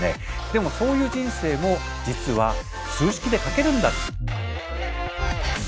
でもそういう人生も実は数式で書けるんだ。